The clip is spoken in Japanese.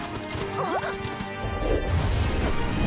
あっ？